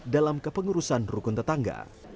dalam kepengurusan rukun tetangga